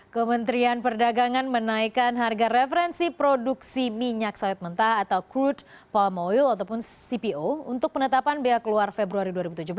kementerian perdagangan menaikkan harga referensi produksi minyak sawit mentah atau crude palm oil ataupun cpo untuk penetapan biaya keluar februari dua ribu tujuh belas